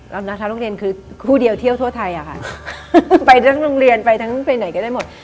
นะคะโรงเรียนคือคู่เดียวเที่ยวทั่วไทยอะค่ะไปทั้งโรงเรียนไปทั้งไปไหนก็ได้หมด